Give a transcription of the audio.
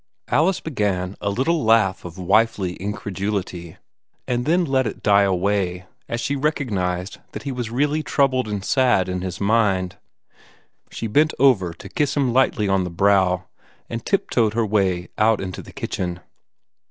Alice began a little laugh of wifely incredulity, and then let it die away as she recognized that he was really troubled and sad in his mind. She bent over to kiss him lightly on the brow, and tiptoed her way out into the kitchen.